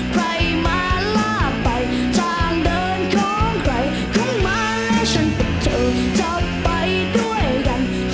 ทางเดินของใคร